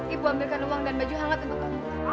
ibu ambilkan uang dan baju hangat untuk kamu